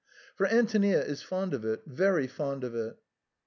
For Antonia is fond of it — very fond of it."